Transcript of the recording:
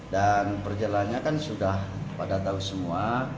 dan perjalanannya kan sudah pada tahu semua